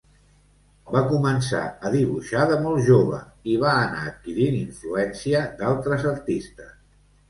Va començar a dibuixar de molt jove i va anar adquirint influència d'altres artistes.